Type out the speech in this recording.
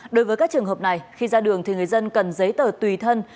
đối với các trường hợp này khi ra đường thì người dân cần giấy tờ tùy thân